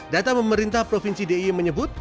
data pemerintah provinsi d i e menyebut